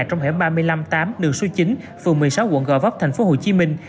trong hẻm ba mươi năm tám đường số chín phường một mươi sáu quận gò vấp thành phố hồ chí minh